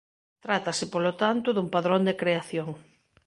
Trátase polo tanto dun padrón de creación.